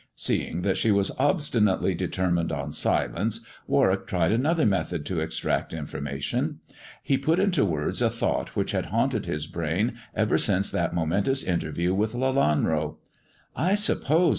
Seeing that she was obstinately determined on silence, Warwick tried another method to extract information. He put into words a thought which had haunted his brain ever since that momentous interview with Lelanro. " I suppose.